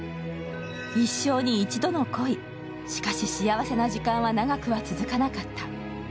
一生に一度の恋、しかし幸せな時間は長くは続かなかった。